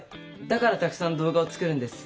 だからたくさん動画を作るんです！